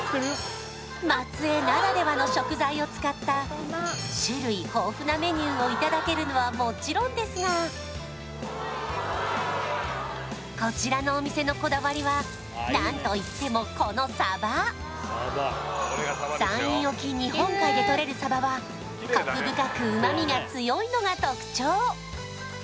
松江ならではの食材を使った種類豊富なメニューをいただけるのはもちろんですがこちらのお店のこだわりは何といってもこのサバ山陰沖日本海でとれるサバはコク深く旨みが強いのが特徴